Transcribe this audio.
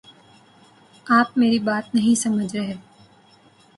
آپ میری بات نہیں سمجھ رہے